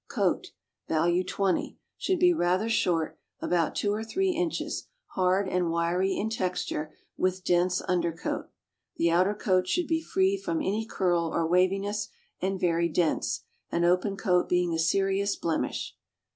Coat (value 20) should be rather short (about two or three inches), hard and wiry in texture, with dense under coat. The outer coat should be free from any curl or waviness, and very dense — an open coat being a serious blemish.